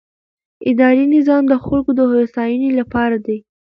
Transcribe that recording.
اداري نظام د خلکو د هوساینې لپاره دی.